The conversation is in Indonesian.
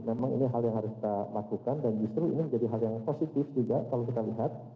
memang ini hal yang harus kita lakukan dan justru ini menjadi hal yang positif juga kalau kita lihat